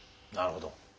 なるほど。